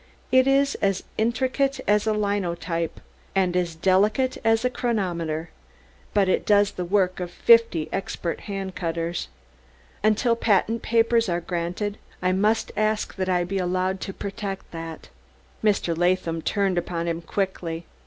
It is as intricate as a linotype and delicate as a chronometer, but it does the work of fifty expert hand cutters. Until patent papers are granted I must ask that I be allowed to protect that." Mr. Latham turned upon him quickly.